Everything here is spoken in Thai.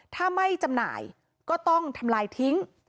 ถ้าไม่จำหน่ายก็ต้องทำลายทิ้ง